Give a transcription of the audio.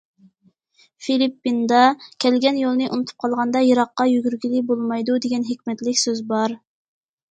فىلىپپىندا:« كەلگەن يولنى ئۇنتۇپ قالغاندا، يىراققا يۈرگىلى بولمايدۇ» دېگەن ھېكمەتلىك سۆز بار.